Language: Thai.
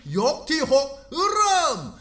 ยกที่๖เริ่ม